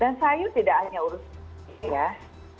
dan sayur tidak hanya urus